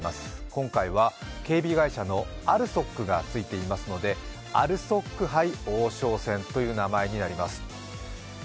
今回は警備会社のＡＬＳＯＫがついていますのでＡＬＳＯＫ杯王将戦という名前になります。